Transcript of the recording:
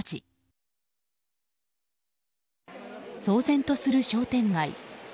騒然とする商店街。